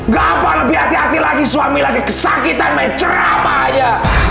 gapa lebih hati hati lagi suami lagi kesakitan main ceramah aja